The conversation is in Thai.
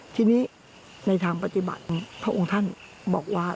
ทีนี้ในทางปฏิบัติพระองค์ท่านบอกว่า